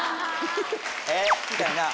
みたいな。